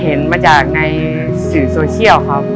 เห็นมาจากในสื่อโซเชียลครับ